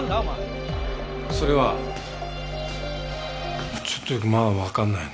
それはちょっとよくまだわかんない。